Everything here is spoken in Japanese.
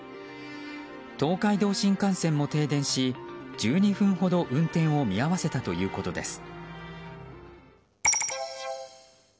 東海道新幹線も停電し１２分ほど運転を見合わせたということです。